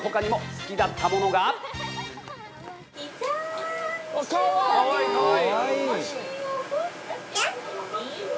かわいい！